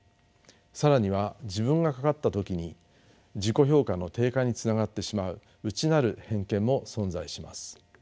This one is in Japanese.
更には自分がかかった時に自己評価の低下につながってしまう内なる偏見も存在します。